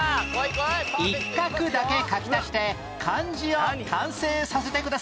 一画だけ書き足して漢字を完成させてください